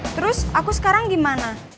terus aku sekarang gimana